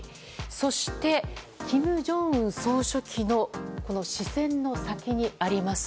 そして金正恩総書記の視線の先にあります。